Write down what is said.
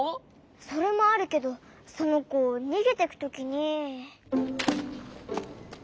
それもあるけどそのこにげてくときに。